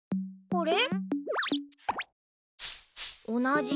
これ？